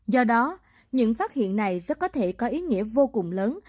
do đó những phát hiện này rất có thể có ý nghĩa vô cùng lớn